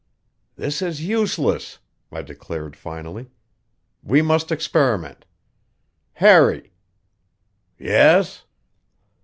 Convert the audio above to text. "This is useless," I declared finally. "We must experiment. Harry!" "Yes."